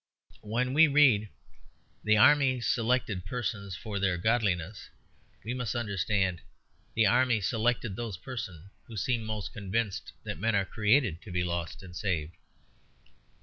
When we read, "The Army selected persons for their godliness," we must understand, "The Army selected those persons who seemed most convinced that men are created to be lost and saved."